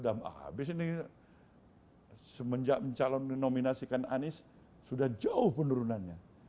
habis ini semenjak mencalonin nominasikan anies sudah jauh penurunannya